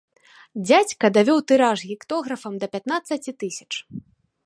Дзядзька давёў тыраж гектографам да пятнаццаці тысяч.